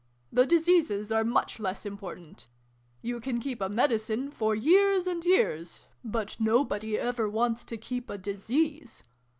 The Diseases are much less im portant. You can keep a Medicine, for years and years : but nobody ever wants to keep a Disease